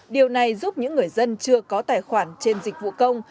điều này giúp những người dân chưa có tài khoản trên dịch vụ công